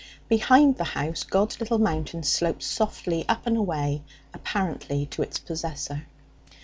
Behind the house God's Little Mountain sloped softly up and away apparently to its possessor.